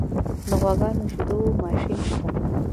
د غواګانو د شیدو ماشین شته؟